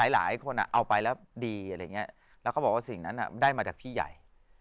หลายคนเอาไปแล้วดีอะไรอย่างนี้แล้วเขาบอกว่าสิ่งนั้นได้มาจากพี่ใหญ่